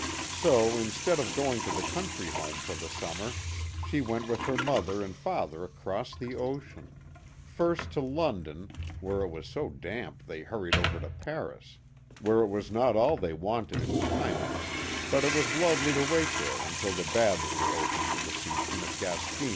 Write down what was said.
So instead of going to the country home for the summer, she went with her mother and father across the ocean ; first to London, where it was so damp they hurried over to Paris where it was not all they wanted in climate, but it was lovely to wait there until the baths were opened for the season at Gastein.